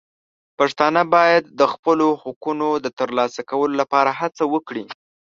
پښتانه باید د خپلو حقونو د ترلاسه کولو لپاره هڅه وکړي.